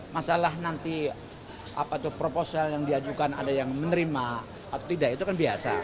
masalah nanti apa itu proposal yang diajukan ada yang menerima atau tidak itu kan biasa